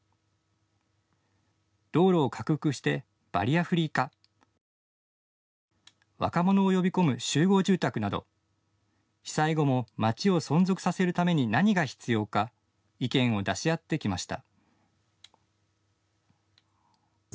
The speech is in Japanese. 道路を拡幅してバリアフリー化若者を呼び込む集合住宅など被災後も街を存続させるために何が必要か意見を出し合ってきました。